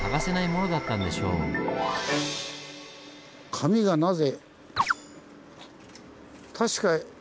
紙がなぜ。